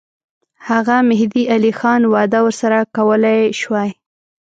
هغه مهدي علي خان وعده ورسره کولای سوای.